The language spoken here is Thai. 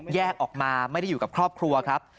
แยกออกมาไม่ได้อยู่กับครอบครัวครับ